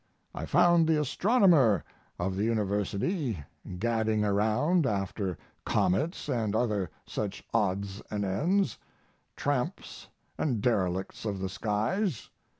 I found the astronomer of the University gadding around after comets and other such odds and ends tramps and derelicts of the skies.